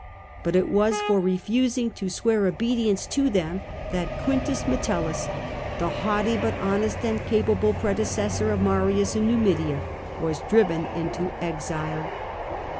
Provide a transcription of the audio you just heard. But it was for refusing to swear obedience to them that Quintus Metellus, the haughty but honest and capable predecessor of Marius in Numidia, was driven into exile.